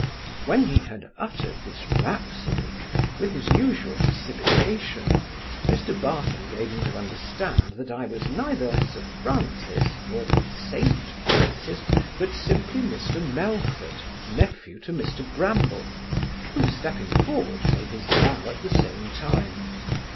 When he had uttered this rhapsody, with his usual precipitation, Mr Barton gave him to understand, that I was neither Sir Francis, nor St Francis, but simply Mr Melford, nephew to Mr Bramble; who, stepping forward, made his bow at the same time.